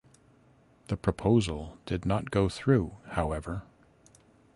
The proposal did not go through however.